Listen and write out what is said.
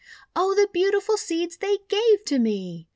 Oh, the beautiful Seeds they gave to me!